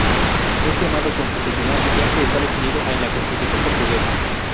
Es llamado Constitucional, ya que está definido en la constitución portuguesa.